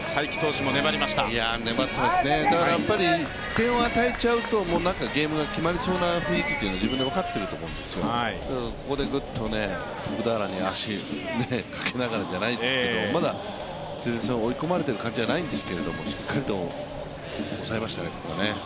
点を与えちゃうとゲームが決まりそうな雰囲気が自分で分かってると思うんですね、ここでグッと徳俵に足をかけながらじゃないですけれども、まだ追い込まれている感じじゃないんですけどしっかりと抑えましたね、ここね。